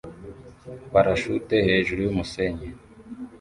Parashute hejuru yumusenyi